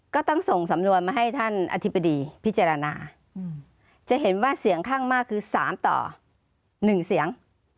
ก็ต้องส่งสำนวนมาให้ท่านอธิบดีพิจารณาจะเห็นว่าเสียงข้างมากคือ๓ต่อ๑เสียง